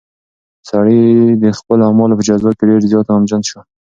سړی د خپلو اعمالو په جزا کې ډېر زیات غمجن شو.